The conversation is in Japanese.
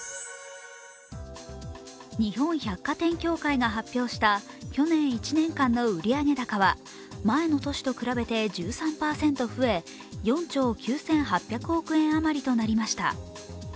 日本百貨店協会が発表した去年１年間の売上高は前の年と比べて１３％増え４兆９８００億円余りとなりました。